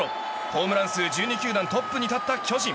ホームラン数１２球団トップに立った巨人。